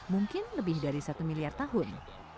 mungkin lebih dari satu miliar tahun